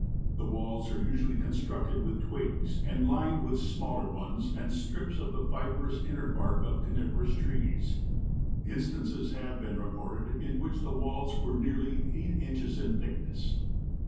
The walls are usually constructed with twigs and lined with smaller ones and strips of the fibrous inner bark of coniferous trees. Instances have been reported in which the walls were nearly eight inches in thickness.